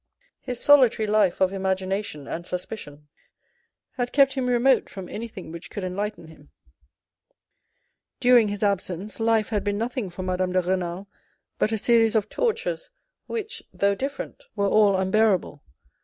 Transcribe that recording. His 8o THE RED AND THE BLACK solitary life of imagination and suspicion had kept him remote from anything which could enlighten him. During his absence, life had been nothing for Madame de R£nal but a series of tortures, which, though different, were all unbearable.